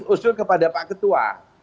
usul kepada pak ketua